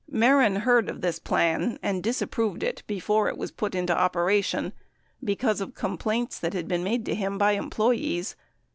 Mehren heard of this plan and disapproved it before it was put into operation because of complaints that had been made to him by employees.